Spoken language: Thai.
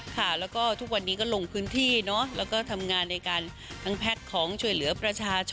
ค่ะแล้วก็ทุกวันนี้ก็ลงพื้นที่เนอะแล้วก็ทำงานในการทั้งแพ็คของช่วยเหลือประชาชน